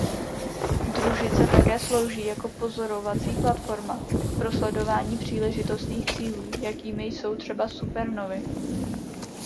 Družice také slouží jako pozorovací platforma pro sledování příležitostných cílů jakými jsou třeba supernovy.